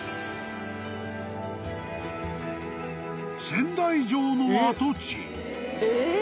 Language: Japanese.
［仙台城の跡地］